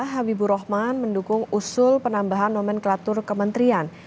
habibur rahman mendukung usul penambahan nomenklatur kementerian